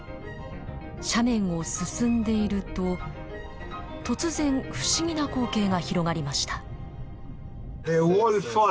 斜面を進んでいると突然不思議な光景が広がりました。